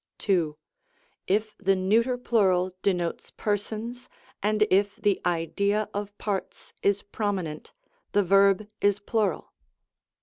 K the neuter plural denotes persons, and if the idea of parts is prominent, the verb is plural.